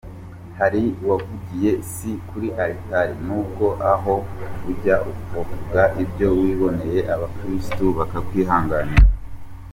Hariya wavugiye, si kuri altari, n’ubwo naho ujya uvuga ibyo wiboneye abakristu bakakwihanganira.